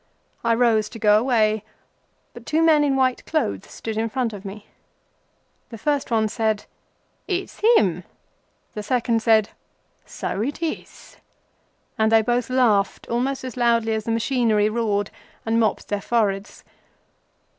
I rose to go away, but two men in white clothes stood in front of me. The first one said:—"It's him!" The second said—"So it is!" And they both laughed almost as loudly as the machinery roared, and mopped their foreheads.